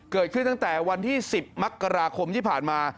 เกิดขึ้นตั้งแต่วันที่๑๐มกราคมที่ผ่านมา